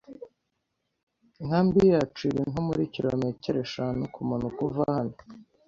Inkambi yacu iri nko muri kilometero eshanu kumanuka uva hano